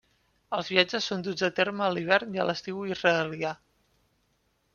Els viatges són duts a terme a l'hivern i l'estiu israelià.